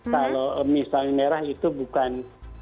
kalau misalnya merah itu bukan